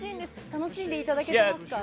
楽しんでいただけてますか？